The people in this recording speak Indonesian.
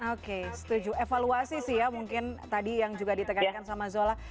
oke setuju evaluasi sih ya mungkin tadi yang juga ditekankan sama zola